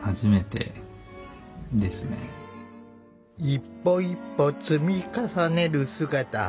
一歩一歩積み重ねる姿。